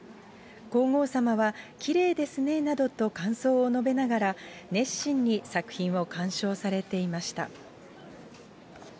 皇后さまは、きれいですねなどと感想を述べながら、熱心に作品を鑑賞されていました。